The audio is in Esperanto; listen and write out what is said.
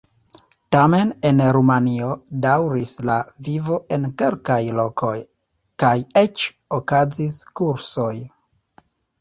Tamen en Rumanio daŭris la vivo en kelkaj lokoj, kaj eĉ okazis kursoj.